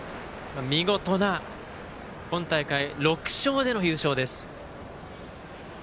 見事な今大会６勝での優勝です。